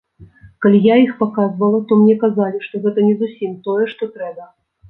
Калі я іх паказвала, то мне казалі, што гэта не зусім тое, што трэба.